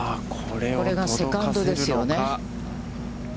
これがセカンドですよね。